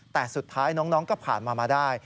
แต่สุดท้ายน้องก็ผ่านมามาได้